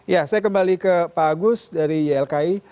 ya saya kembali ke pak agus dari ylki